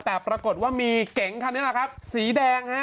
แต่ปรากฏว่ามีเก๋งคันนี้แหละครับสีแดงฮะ